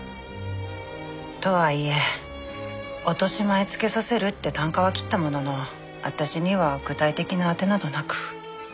とはいえ落とし前つけさせるって啖呵は切ったものの私には具体的な当てなどなく。